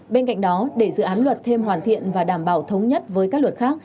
bên cạnh đó để dự án luật thêm hoàn thiện và đảm bảo thống nhất với các luật khác